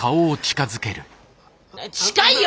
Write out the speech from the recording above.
近いよ！